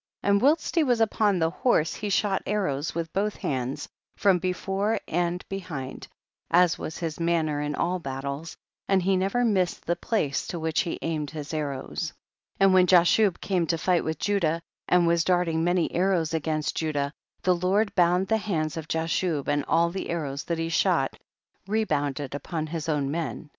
And wiiilst he was upon the liorse, he shot arrows with both hands from before and behind, as was his manner in all his battles, and he ne ver missed the place to which he aimed his arrows. 30. And wlien Jashub came to fight witii Judah, and was darting many arrows against Judah, the Lord bound the hand of Jashub, and all the arrows that he shot rebounded upon his own men. 31.